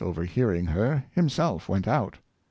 verhearing her, himself went out.